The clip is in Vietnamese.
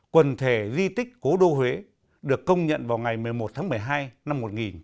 quần thể di tích cố đô huế được công nhận vào ngày một mươi một tháng một mươi hai năm một nghìn chín trăm bảy mươi